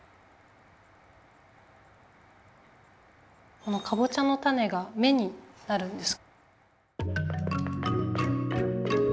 このかぼちゃの種が目になるんです。